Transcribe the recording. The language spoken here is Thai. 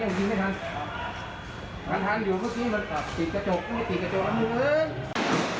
เขาหมายหลังเสาอยู่หลังเสาหอย้ำอยู่หลังเสา